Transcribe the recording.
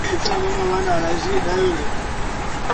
sana ni moja kati ya lugha nne za